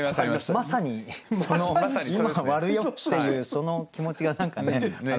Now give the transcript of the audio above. まさにその今割るよっていうその気持ちが何かね表れてる。